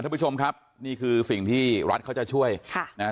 ท่านผู้ชมครับนี่คือสิ่งที่รัฐเขาจะช่วยค่ะนะฮะ